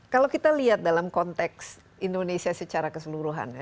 kalau kita lihat dalam konteks indonesia secara keseluruhan ya